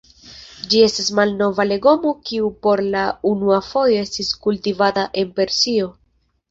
Ĝi estas malnova legomo kiu por la unua fojo estis kultivata en Persio.